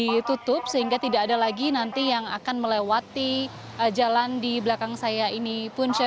ditutup sehingga tidak ada lagi nanti yang akan melewati jalan di belakang saya ini punca